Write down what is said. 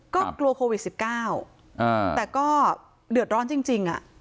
ก็กลัวโควิด๑๙แต่ก็เดือดร้อนจริง